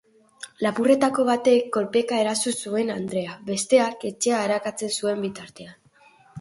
Lapurretako batek kolpeka eraso zuen andrea, besteak etxea arakatzen zuen bitartean.